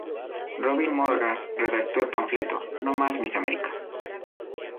Robin Morgan, redactó el panfleto '¡No Más Mis America!